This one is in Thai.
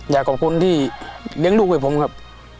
อยากขอบคุณที่เลี้ยงลูกให้ผมครับ